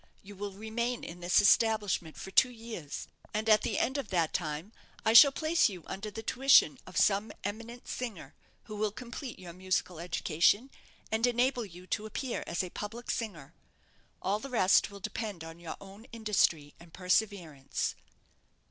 You will remain in this establishment for two years, and at the end of that time I shall place you under the tuition of some eminent singer, who will complete your musical education, and enable you to appear as a public singer. All the rest will depend on your own industry and perseverance."